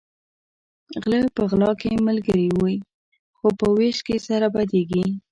غلۀ په غلا کې ملګري وي خو په وېش کې سره بدیږي